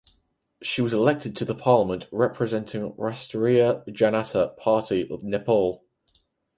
She was elected to the parliament representing Rastriya Janata Party Nepal.